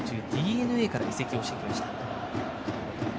途中ＤｅＮＡから移籍してきました。